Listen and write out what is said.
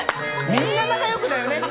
みんな仲よくだよね。